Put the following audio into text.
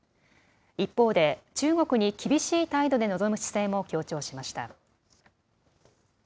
一方で、中国に厳しい態度で臨む姿勢も強調しました。